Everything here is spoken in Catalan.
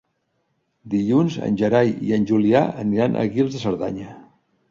Dilluns en Gerai i en Julià aniran a Guils de Cerdanya.